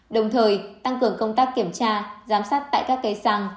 đồng thời tăng cường công tác kiểm tra giám sát tại các cây xăng